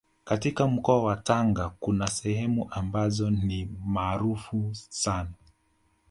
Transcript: Katika mkoa wa Tanga kuna sehemu ambazo ni maarufu sana